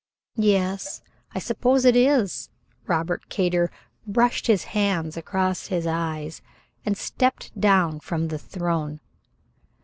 "Yes, I suppose it is." Robert Kater brushed his hand across his eyes and stepped down from the throne.